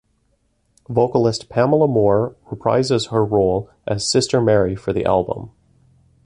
Vocalist Pamela Moore reprises her role as Sister Mary for the album.